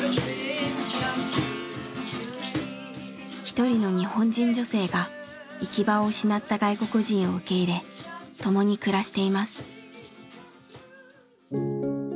一人の日本人女性が行き場を失った外国人を受け入れ共に暮らしています。